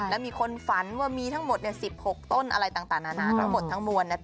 และมีคนฝันว่ามีทั้งหมด๑๖ต้นอะไรต่างนานาทั้งหมดทั้งมวล